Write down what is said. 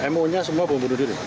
mo nya semua bom bunuh diri